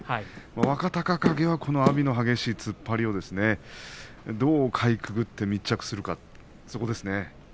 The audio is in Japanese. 若隆景は激しい突っ張りをどうかいくぐって密着するかそこですね。